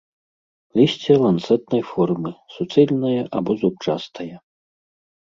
Лісце ланцэтнай формы, суцэльнае або зубчастае.